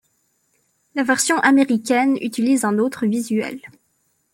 La version américaine utilise un autre visuel.